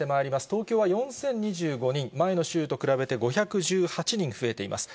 東京は４０２５人、前の週と比べて５１８人増えています。